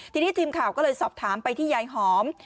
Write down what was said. ทีนี้ทีมข่าวก็เลยสอบถามไปที่ยายหอม